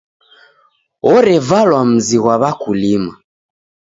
Orevalwa mzi ghwa w'akulima.